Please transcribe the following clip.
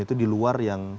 itu di luar yang